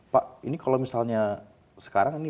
pak ini kalau misalnya sekarang ini